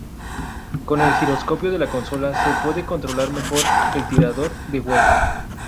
Con el giroscopio de la consola, se puede controlar mejor el "Tirador de Huevos".